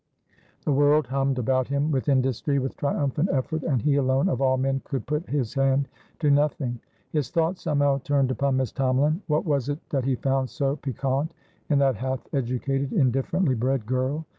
The world hummed about him with industry, with triumphant effort; and he alone of all men could put his hand to nothing. His thought somehow turned upon Miss Tomalin. What was it that he found so piquant in that half educated, indifferently bred girl?